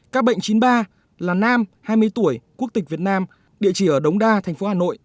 các bệnh chín mươi ba là nam hai mươi tuổi quốc tịch việt nam địa chỉ ở đống đa thành phố hà nội